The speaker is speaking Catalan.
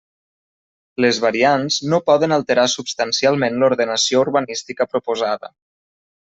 Les variants no poden alterar substancialment l'ordenació urbanística proposada.